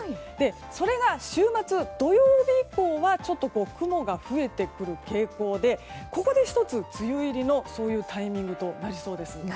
それが、週末の土曜日以降はちょっと雲が増えてくる傾向でここで１つ梅雨入りのタイミングとなりそうです。